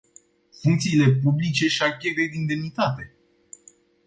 Funcțiile publice și-ar pierde din demnitate.